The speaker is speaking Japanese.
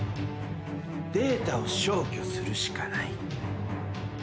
データを消去するしかない。